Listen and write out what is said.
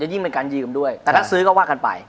ยิ่งเป็นการยืมด้วยแต่ถ้าซื้อก็ว่ากันไป